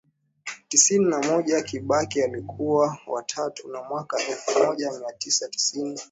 tisini na moja Kibaki alikuwa wa tatu na mwaka elfu moja mia tisa tisini